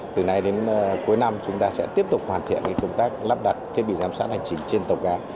từ nay đến cuối năm chúng ta sẽ tiếp tục hoàn thiện công tác lắp đặt thiết bị giám sát hành trình trên tàu cá